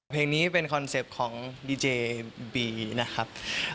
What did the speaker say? เพลงนี้เป็นคอนเซ็ปต์ของดีเจบีนะครับ